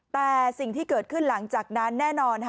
แต่สิ่งที่เกิดขึ้นหลังจากนั้นแน่นอน